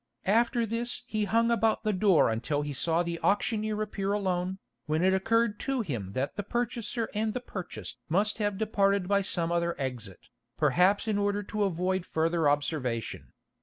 After this he hung about the door until he saw the auctioneer appear alone, when it occurred to him that the purchaser and the purchased must have departed by some other exit, perhaps in order to avoid further observation.